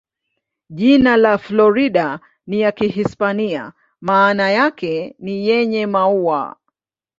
Jina la Florida ni ya Kihispania, maana yake ni "yenye maua".